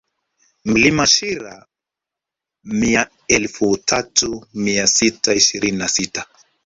Mlima Shira mita elfu tatu mia sita ishirini na sita